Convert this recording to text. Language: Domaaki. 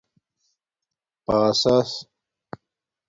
پاسس